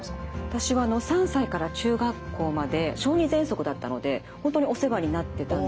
私は３歳から中学校まで小児ぜんそくだったので本当にお世話になってたんです。